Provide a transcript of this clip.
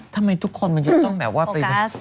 ทำไมทุกคนมันจะต้องแบบว่าไปวุ่นวายนะคะโฟกัส